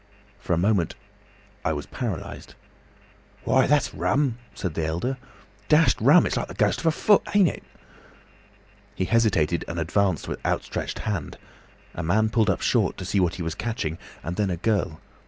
For a moment I was paralysed. "'Why, that's rum,' said the elder. 'Dashed rum! It's just like the ghost of a foot, ain't it?' He hesitated and advanced with outstretched hand. A man pulled up short to see what he was catching, and then a girl.